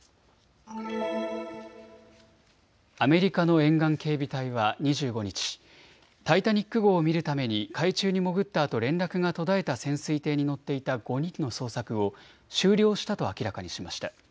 アメリカの沿岸警備隊は２５日、タイタニック号を見るために海中に潜ったあと連絡が途絶えた潜水艇に乗っていた５人の捜索を終了したと明らかにしました。